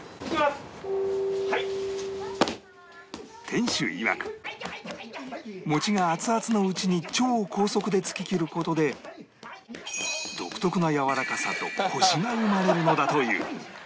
店主いわく餅が熱々のうちに超高速でつききる事で独特なやわらかさとコシが生まれるのだという